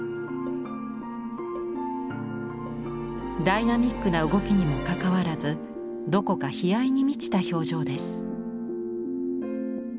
ダイナミックな動きにもかかわらずどこか悲哀に満ちた表情です。